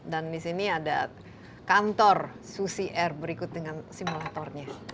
dan disini ada kantor susi air berikut dengan simulatornya